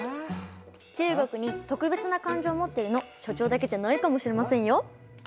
中国に特別な感情を持ってるの所長だけじゃないかもしれませんよ。